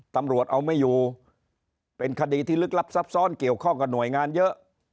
ตำรวจเอาไม่อยู่เป็นคดีที่ลึกลับซับซ้อนเกี่ยวข้องกับหน่วยงานเยอะ